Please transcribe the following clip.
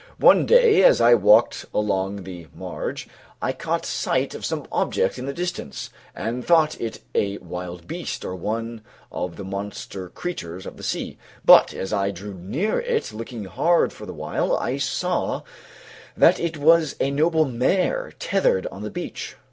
One day as I walked along the marge, I caught sight of some object in the distance, and thought it a wild beast or one of the monster creatures of the sea; but as I drew near it, looking hard the while, I saw that it was a noble mare, tethered on the beach.